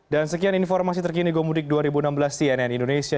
dan sekian informasi terkini gomudik dua ribu enam belas cnn indonesia